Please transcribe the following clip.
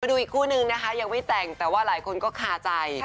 ดูอีกคู่นึงนะคะยังไม่แต่งแต่ว่าหลายคนก็คาใจ